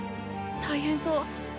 大変そう。